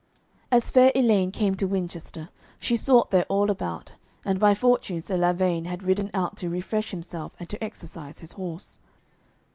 As fair Elaine came to Winchester, she sought there all about, and by fortune Sir Lavaine had ridden out to refresh himself and to exercise his horse.